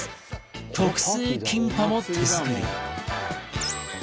特製キンパも手作り